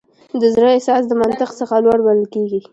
د زړه احساس د منطق څخه لوړ بلل کېږي.